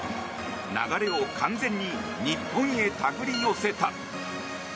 流れを完全に日本へ手繰り寄せた。